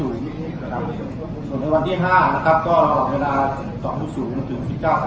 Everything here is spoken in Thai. ในวันที่๕ก็ระหว่างเวลา๑๒๐๐จ๔๕๐๐หรือ๑๙๐๐